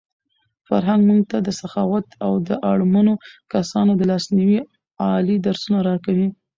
فرهنګ موږ ته د سخاوت او د اړمنو کسانو د لاسنیوي عالي درسونه راکوي.